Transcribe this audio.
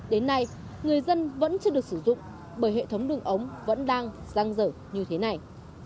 đến nay người dân vẫn chưa được sử dụng bởi hệ thống đường ống vẫn đang giang dở như thế này